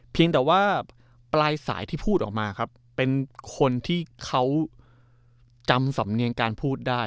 เพียงแต่ว่าปลายสายที่พูดออกมาครับเป็นคนที่เขาจำสำเนียงการพูดได้